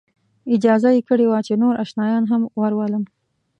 اجازه یې کړې وه چې نور آشنایان هم ورولم.